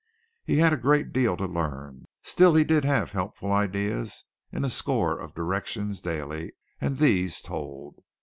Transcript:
He had a great deal to learn. Still he did have helpful ideas in a score of directions daily and these told.